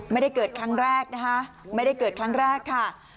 ไม่ได้เกิดครั้งแรกนะคะไม่ได้เกิดครั้งแรกค่ะ